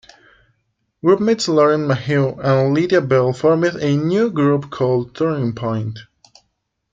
Groupmates Lauren Mayhew and Lydia Bell formed a new group called "Turning Point".